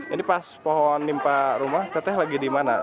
ini pas pohon nimpa rumah teteh lagi di mana